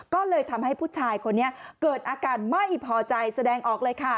ก็เลยทำให้ผู้ชายคนนี้เกิดอาการไม่พอใจแสดงออกเลยค่ะ